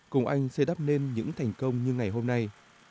cùng anh sẽ đắp nên những thành công như ngày hôm nay